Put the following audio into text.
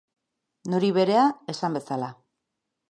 Nori berea, esan bezala.